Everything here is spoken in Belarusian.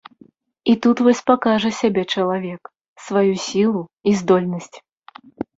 І тут вось пакажа сябе чалавек, сваю сілу і здольнасць.